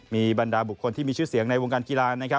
มีบรรดาบุคคลที่มีชื่อเสียงในวงการกีฬานะครับ